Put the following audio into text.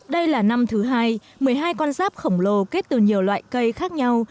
đây là năm thứ hai một mươi hai con giáp khổng lồ kết từ nhiều loại cây khác nhau